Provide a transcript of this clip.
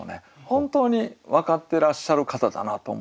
本当に分かってらっしゃる方だなと思うんですね。